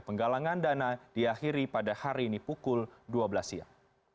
penggalangan dana diakhiri pada hari ini pukul dua belas siang